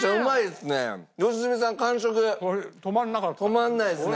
止まんないですね。